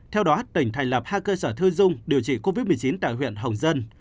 theo đó tỉnh thành lập hai cơ sở thơ dung điều trị covid một mươi chín tại huyện hồng dân